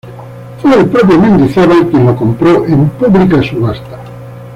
Fue el propio Mendizábal quien lo compró en pública subasta.